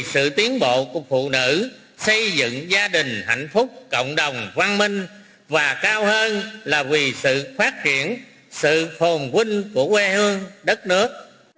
sự tiến bộ của phụ nữ xây dựng gia đình hạnh phúc cộng đồng văn minh và cao hơn là vì sự phát triển sự phồn vinh của quê hương đất nước